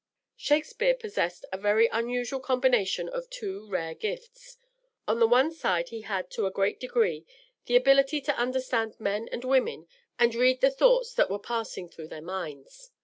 Shakespeare possessed a very unusual combination of two rare gifts. On the one side he had to a great degree the ability to understand men and women and read the thoughts that were passing through their minds.